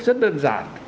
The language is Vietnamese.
rất đơn giản